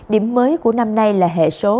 điểm mới của năm nay là hệ số